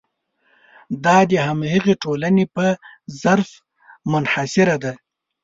دا د همغې ټولنې په ظرف منحصره ده.